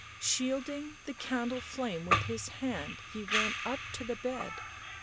Shielding the candle flame with his hand he went up to the bed.